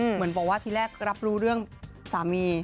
เหมือนบอกว่าทีแรกรับรู้เรื่องสามี